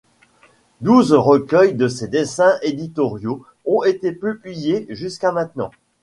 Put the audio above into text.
Douze recueils de ses dessins éditoriaux ont été publiés jusqu'à maintenant.